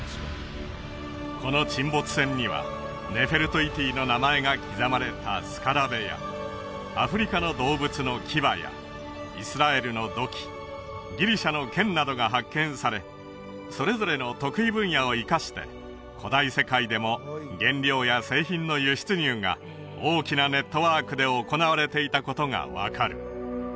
この沈没船にはネフェルト・イティの名前が刻まれたスカラベやアフリカの動物の牙やイスラエルの土器ギリシャの剣などが発見されそれぞれの得意分野を生かして古代世界でも原料や製品の輸出入が大きなネットワークで行われていたことが分かる